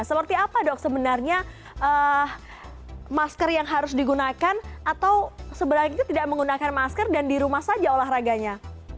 seperti apa dok sebenarnya masker yang harus digunakan atau sebenarnya tidak menggunakan masker dan di rumah saja olahraganya